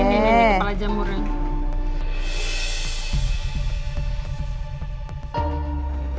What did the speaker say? ini kepala jamurnya